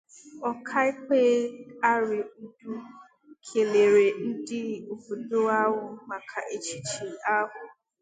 Ọkaikpe Harry Ụdụ kelere ndị obodo ahụ maka echichi ahụ